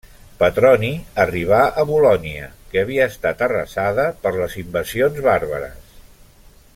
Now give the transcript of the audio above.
Petroni arribà a Bolonya, que havia estat arrasada per les invasions bàrbares.